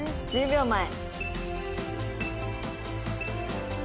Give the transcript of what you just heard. １０秒前。